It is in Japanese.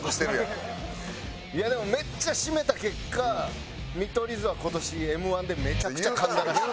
いやでもめっちゃシメた結果見取り図は今年Ｍ−１でめちゃくちゃ噛んだらしい。